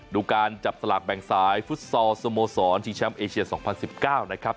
ดูการจับสลากแบ่งสายฟุตซอลสโมสรชิงแชมป์เอเชีย๒๐๑๙นะครับ